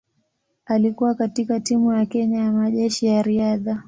Alikuwa katika timu ya Kenya ya Majeshi ya Riadha.